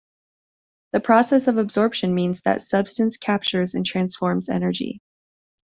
The process of absorption means that a substance captures and transforms energy.